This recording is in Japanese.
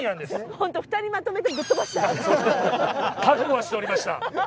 覚悟はしておりました。